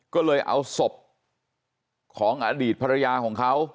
ก็เลยเอาศพของอดีตภรรยาของเขา